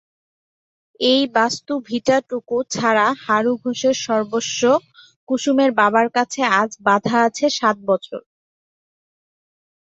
এই বাস্তুভিটাটুকু ছাড়া হারু ঘোষের সর্বস্ব কুসুমের বাবার কাছে আজ বাধা আছে সাত বছর।